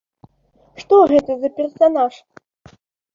Што гэта за персанаж?